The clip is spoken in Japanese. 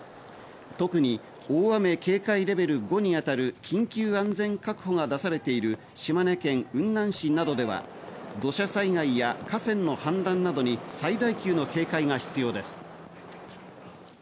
特に大雨警戒レベル５に当たる緊急安全確保が出されている島根県雲南市などでは土砂災害や河川の氾濫などに最大級の警戒が必要です。